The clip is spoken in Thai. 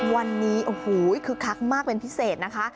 วันนี้คือคักมากเป็นพิเศษนะคะ